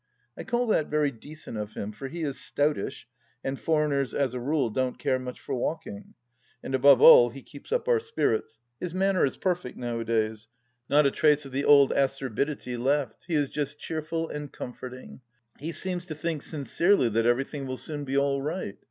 I call that very decent of him, for he is stoutish, and foreigners as a rule don't care much for walking. And above all he keeps up our spirits ; his manner is perfect, nowadays ; not a trace of the old acerbity 79 80 THE LAST DITCH left ; he is just cheerful and comforting. He seems to think sincerely that everything will soon be all right.